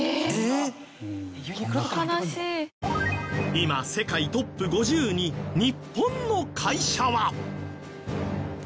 今世界ＴＯＰ５０に日本の会社は。